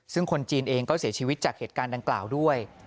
ซึ่งคนจีนเองก็เสียชีวิตจากเหตุการณ์ดังกล่าวด้วย